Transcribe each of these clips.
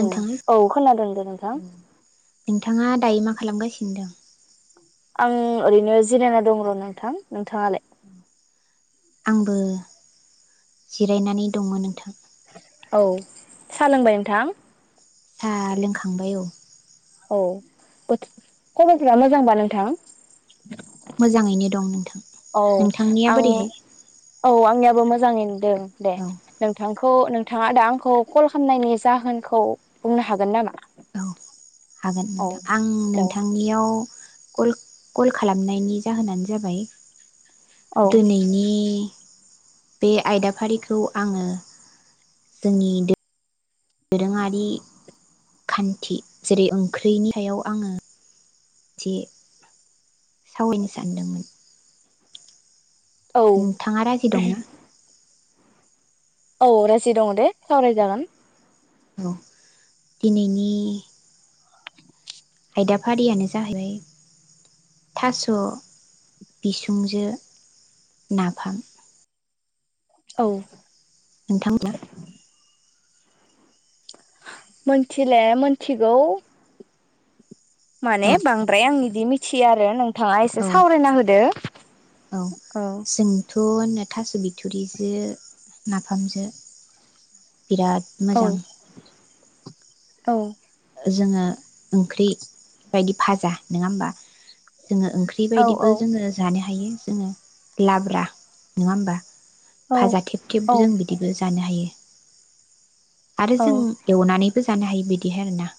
औ औ खोनादों दे नोंथां नोंथाङा दायो मा खालामगासिनो दं? आं ओरैनो जिरायना दं र नोंथां नोंथाङालाय? आंबो जिरायनानै दंमोन नोंथां, औ सा लोंबाय नोंथां, साहा लोंखांबाय औ, औ बोथो खबफोरा मोजांबा नोंथां मोजाङैनो दं नोंथां औ नोंथांनिया आं बोरैहाय औ आंनियाबो मोजाङैनो औ दे औ नोंथांखौ नोंथाङा दा आंखौ कल खालामनायनि जाहोनखौ बुंनो हागोन ना? औ हागोन नोंथां आं हेलौ नोंथांनियाव कल-कल खालामनायनि जाहोनानो जाबाय औ दिनैनि बे आयदाफारिखौ आङो जोंनि दोरोङारि खान्थि जेरै ओंख्रिनि हायाव आङो जे सावरायनो सानदोंमोन औ नोथाङा राजि दं ना औ राजि दङ दे सावराय जागोन औ दिनैनि आयदा फारियानो जाहैबाय थास' बिसुंजो नाफाम औ नोंथांमोना मोनथिले मोनथिगौ माने औ बांद्राय आंनि सि आरो नोंथाङा एसे औ सावरायना होदो औ जोंथ' होनो थास' बिथुरिजो नाफामजो बिराद औ मोजां औ जोङो ओंख्रि बायदि फाजा नोङा होमबा जोङो ओंख्रि औ बायदिबो जोङो जानो हा थायो जोङो लाब्रा नङा होमबा औ भाजा थेब थेब जों औ बिदिबो जानो हायो। आरो औ जों एवनानै जानो हायो बिदिहाय आरो ना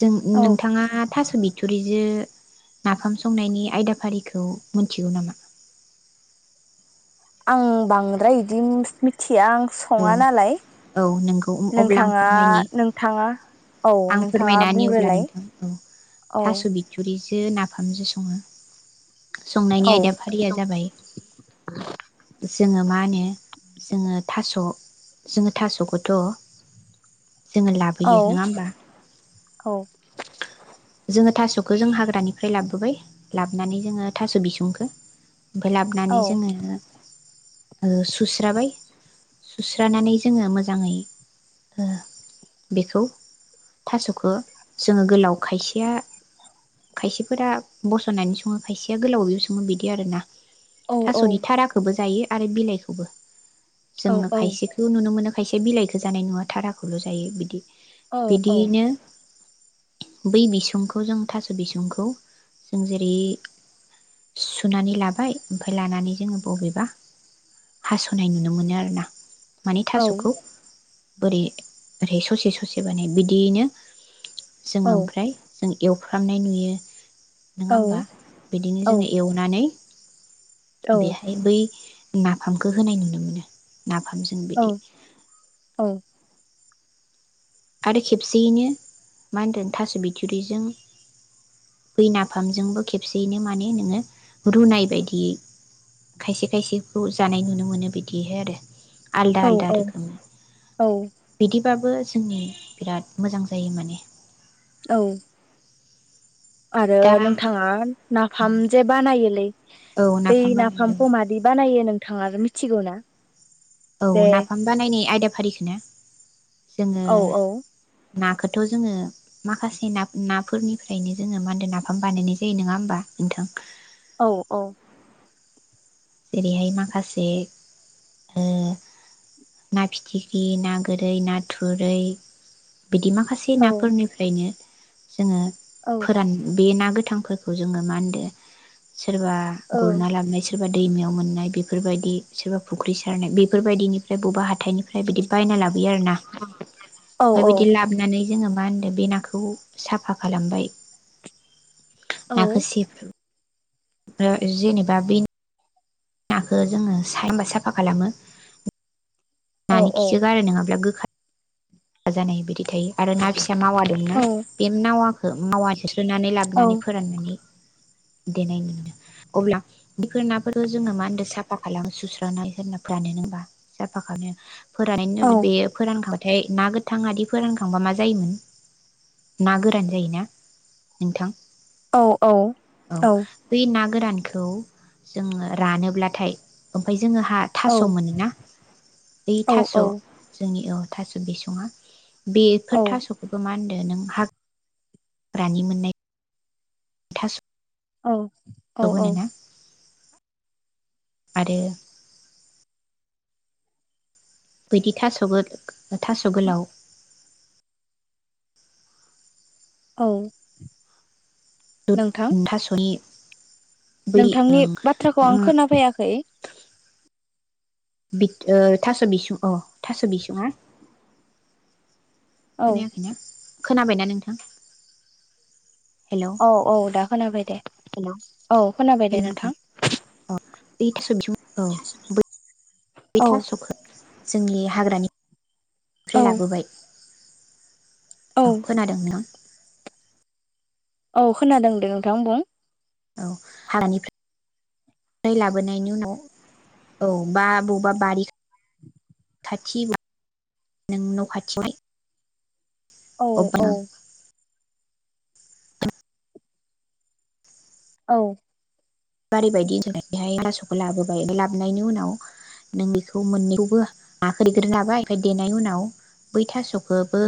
जों औ नोंथाङा थास' बिथुरिजो नाफाम संनायनि आयदाफारिखौ मोनथिगौ नामा? आं बांद्राय इदि मिथ मिथि या आं औ सङा नालाय औ नंगौ अब्ला आं नोंथाङा फोरमायनि नोंथाङा औ आं नोंथाङा फोरमायना नि अब्ला बुंग्रोलाय नोंथां, औ औ थास बिथुरि दों नाफामजो सङो संनायनि औ आयदाफारिया जाबाय जोङो मा होनो जोङो थास जोङो थासखौथ जोङो औ लाबोयो, नोङा होमबा? औ। थासखो जों हाग्रानिफ्राय लाबोबाय लाबनानै जोङो थास बिसुंखो। औ लाबनानै जोङो ओ सुस्राबाय सुस्रानानै जोङो मोजाङै ओ बेखौ थासखो जोङो गोलाव खायसेया खायसेफोरा बसनानै सङो खायसेया गोलावैबो सङो बिदि आरोना। औ औ थासनि थाराखोबो जायो। आरो बिलाइखौबो। औ जोंङो औ खायसेखौ नुनो मोनो खायसे बिलाइखो जानाय नुवा थाराखौल जायो बिदि, औ औ बिदियैनो बै बिसुंखौ जों थास‌बिसुंखौ जों जेरै सुनानै लाबाय ओमफाय लानानै जोङो बबेबा हासनाय नुनो मोनो आरोना। माने औ थासखौ ओरै ओरै ससे ससे बानायो बिदियैनो जोङो ओमफ्राय एवफ्रामनाय नुयो। नङा होमबा बिदिनो जोङो एवनानै बेहाय बै नाफामखो होनाय नुनो मोनो। नाफामजों बिदि आरो खेबसेयैनो मा होनदों थास बिखुरदिजों बै नाफामजोंबो खेबसेयैनो माने नोङो रुनाय बायदियै खायसे खायसेखौ जानाय नुनो मोनो बिदिहे आरो। आलदा आलदा रोखोम औ बिदि बाबो जोंनि बिराद मोजां जायो माने। औ। आरो दा नोंथाङा नाफाम जे बानायोलै औ दै नाफाम बानायो नफामखौ मादि बानाययो नों थाङा मिथिगौ ना औ जे नाफाम बानायनायनि आयदोब फारिखोनो जोङो औ औ नाखौथ' जोङो माखासे ना-नाफोरनिफ्रायनो जोङो मादो नाफाम बानायनाय जायो नङा होमबा नोंथां? औ औ जेरैहाय माखासे ओ ना फिथिख्रि ना गोरै ना थुरै बिदि माखासे औ नाफोरनिफ्रायनो जोङो औ फोरान बे ना गो थांफोरखौ जोङो मानदो सोरबा गुरना लांनाय सो दैमायाव मोननाय बेफोरबायदि सोरबा फुख्रि सारनाय बेफोरबायदिनिफ्राय बबा हाथ थायनिफ्राय बिदि बायना लाबो आरोना ओमफाय बिदि लाबोनानै जोङो मा होनदों बे नाखौ साफा खालामबाय नाखो सेफ रो जेनेबा बे नाखौ जोङो सायना साफा खालामो नानि खिखो गारो नङाब्ला गोखा जानाय बिदि थायो आरो ना फिसा मावा दंना बे नावा मावा‌ होस्रोनानै लाबोनानै फोराननानै देनाय मोनो अब्ला बेफोर नाफोरखौ जोङो मा होनदो साफा खालामो सुस्रांना होना फोरानो होमबा साफा खालामनो फोरान्नायनि उनाव बेयो फोरानखां [unintelligible] ना गोथांयादि फोरानखांबा मा जायोमोन ना गोरान जायोना नोंथां? औ औ औ बै ना गोरानखौ जों रानोब्लाथाय ओमफ्राय जों जोङोहा थास' मोनोना बै थास' जोंनि औ थास' बेसङा बेफोर थास'खौबो मा होन आरो नों हा ग्रानि मोननाय थास' औ [unintelligible] आरो बैदि थासगो थास' गोलाव औ दुद थास'नि बै ओं नोंथांनि बाथ्राखौ आं उम खोनाफैयाखै। बिथ ओ थास बिसुं अ थास बिसुं आ औ खोनायाखैना? खोनाबायना नोंथां? हेलौ औ औ दा खोनाबाय दे। हेल' औ खोनाबाय दे नोंथां। बे थास' बिसं औ बै औ थास'खो जोंनि हाग्रानि औ उमफ्राय लाबोबाय औ खोनादों नोंथां। औ खोनादों दे नोंथां बुं। औ हानिफ्राय लाबोनायनि उनाव औ बा बबेबा बारि खा खाथि नों न खाथियावहाय औ अबेबा औ औ बारि बदि होन बेहाय थास'खौ लाबोबाय मफ्राय लाबोनायनि उनाव नों बेखौ मोननैखौबो नाखौ देग्रोनो लाबाय ओमफ्राय देनायनि उनाव बै थास'खौबो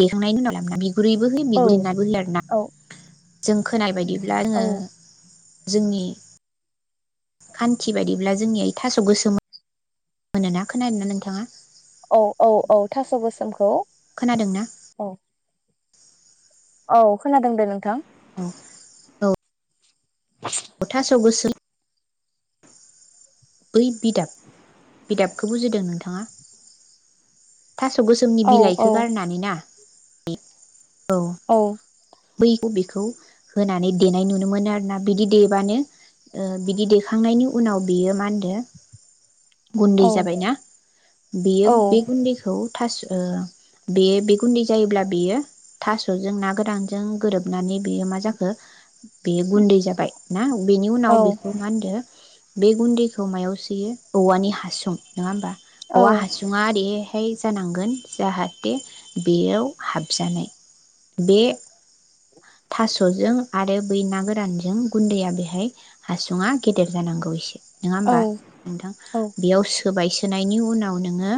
देखांनायनि उनाव लाबोना बि बिगुरैबो होयो औ बिगुर लेमनाबो होयो आरोना औ जों खोनाय बायदि ब्ला औ आंङो जोंनि खान्थि बायदिब्ला जोंनिया इ थास' गोसोमा मोनोना खोनादों ना नोंथांङा? औ औ औ थास गोसोमखौ खोनादों ना? औ औ खोनादों दे नोंथां। औ थास' गोसोम बै बिदाब बिदाबखौ बुजिदों नोंथांङा? थास' गोसोमनि औ बिलाइखौ औ गारनानै ना ए [inaudible] औ। बै बेखौ होनानै देनाय नुनो मोनो आरोना बिदि देबानो ओ बिदि देखांनायनि उनाव बियो मा होन [unintelligible] गुन्दै औ जाबायना औ बेयो बे गुन्दैखौ थास ओ बे बे गुन्दै जायोब्ला बेयो थासजों ना गोरानजों गोरोबनानै बेयो मा जाखो बेयो गुन्दै जाबाय ना। बेनि उनाव बेखौ मा होनदों बे गुन्दै खौ मायाव सोयो औवानि हासुं नङा होमबा। औवा हासुङा दे फाइ जानांगोन जाहाथे बेयाव हाबजानाय बे थासजों आरो बै ना गोरानजों गुन्दैया बेहाय हासुुं गेदेर जानांगौ एसे। नङा होमबा नोंथां बेयावसो सोबाय सोनायनि उनाव नोङो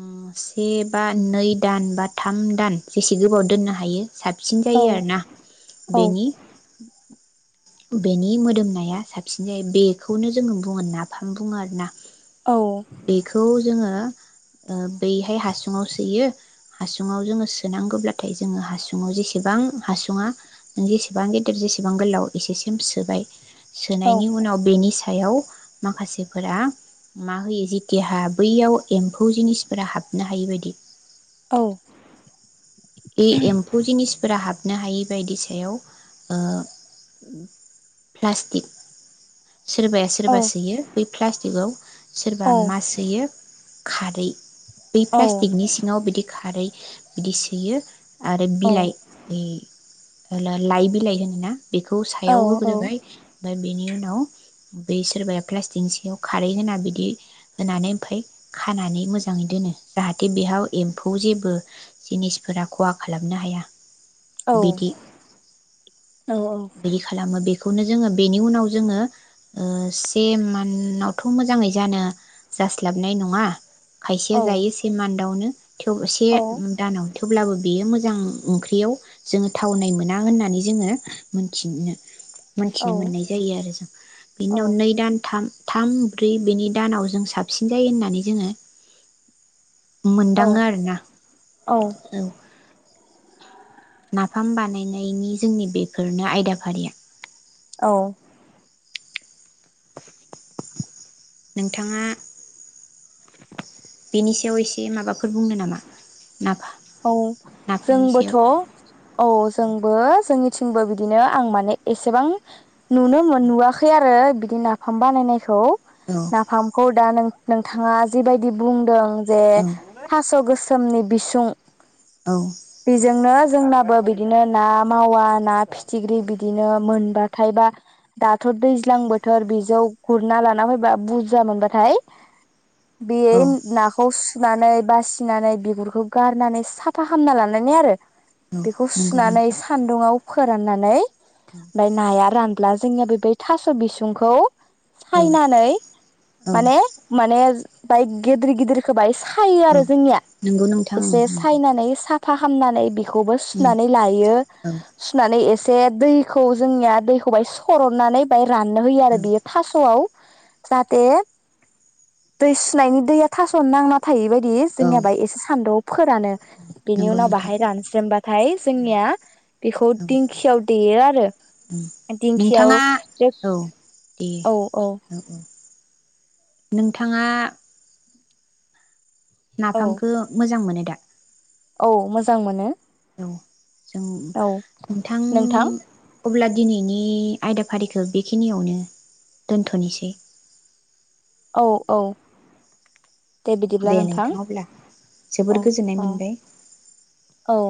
उम से बा नै दान बा थाम दान जेसे गोबाव दोननो हायो। साबसिन जायो आरोना। बेनि बेनि मोदोमनाया साबसिन जायो बेखौनो जोङो बुङो नाफाम बुङो आरोना। बेखौ जोङो ओ बैहाय हासुङाव सोयो हासुङाव जोङो सोनांगौब्लाथाय जोङो हासुङाव जेसेबां हासुङा जेसेबां गेदिर जेसेबां गोलाव एसेसिम सोबाय। सोनायनि उनाव बेनि सा याव माखासेफोरा मा होयो जेथिहा बैयाव एम्फौ जिनिसफोरा हाबनो हायि बायदि औ। ए एम्फु जनिस फ्रा हाबनो हायै बायदि सायाव ओ प्लाटिक सोरबाया सोरबा सोयो। प्लास्टिकआव। सोरबा मा सोयो खारै। बै प्लास्टिकनि सिङाव बिदि खारै बिदि सोयो। आरो बिलाइनि ओ लाइ बिलाइ होनोना। बेखौ सायाव होग्रोबाय ओमफ्राय बेनि उनाव बै सोरबाया प्लास्टिकनि सायाव खारै होना बिदि होनानै ओमफाय खानानै मोजाङै दोनो जाहाथे बेयाव एम्फौ जेबो जिनिसफोरा। खहा खालामनो हाया। बिदि बिदि खालामो बे। बेखौनो जोङो बेनि उनाव जोङो से मानावथ मोजाङै जानो जास्लाबनाय नङा। खायसेया जायो से मान्दावनो। थेवबो से दानाव थे। अब्लाबो बेयो मोजां ओंख्रियाव जोङो थावनाय मोना होननानै जोङो मोनथिनो। मोनथिनो मोननाय जायो आरो जों बिनि उनाव नै दान थाम। थाम ब्रै बेनि दानाव जों साबसिन जायो होननानै जोङो। औ मोनदाङो आरोना औ। नाफाम बानायनायनि जोंनि बेफोरनो आयदा फारिया। औ। नोंथाङा बेनि सायाव एसे माबाफोर बुंनो नामा नाफाम औ नाफामनि जोंबोथ सायाव औ जोंबो जोंनि। थिबो बिदिनो आं माने एसेबां। नुनो मोनबोआखै आरो। बिदि नाफाम बानायनायखौ। औ नाफामखौ दा नों। नोंथाङा जिबायदि बुंदों। जे औ थास गोसो। रोखोमनि बिसुं। औ बिजोंनो। जोंनाबो बिदिनो ना मावा ना फिथिख्रि बिदिनो मोनबाथाय बा दाथ दैज्लां बोथोर बिजौ गुरना लाना फैबा बुरजा मोनबाथाय। बे औ नाखौ। सुनानै बासिनानै बिगुरखौ गा- नानै साफा खालामना लानानै आरो। औ बेखौ नंगौ सुनानै नोंथां सान्दुंआव। फोराननानै। औ नाया रान। ब्ला जोंनिया बे थास बिसुंखौ। औ सायनानै औ माने माने। गिदिर गिदिरखौ होबाय। खायो आरो औ जोंनिया। नंगौ नोंथां ओं एसे नंगौ सायनानै सा फाहामनानै बि खौबो उम सुनानै लायो, औ सुनानै ए से दैखौ जोंनिया दैखौ बाहाय सरननानै बाय राननो होयो आरो औ बियो थास'आव जाहाथे दै सुनायनि दैया थासनो नांना था थायि बायदि औ जोंनिया बाहाय एसे सानदुं। फोरानो बेनि नंगौ उनाव नोंथां बाहाय रानस्रेमबाथाय जोंनिया बेखौ औ दिंखियाव देयो आरो उम दिंखियाव नोंथाङा औ दे औ औ नोंथाङा, औ नाफामखौ मोजां मोनो। दा औ मोजां मोनो। औ। जं औ नोंथां अब्ला दिनैनि आयदाफारिखौ बेखिनियावनो दोनथनोसै औ औ दे नोंथां अब्ला औ जोबोर गोजोननाय औ मोनबाय औ